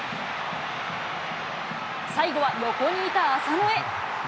最後は横にいた浅野へ。